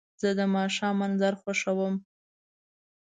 زه د ماښام منظر خوښوم.